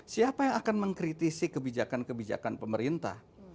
siapa yang akan mengkritisi kebijakan kebijakan pemerintah